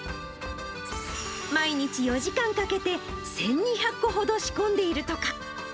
毎日４時間かけて、１２００個ほど仕込んでいるとか。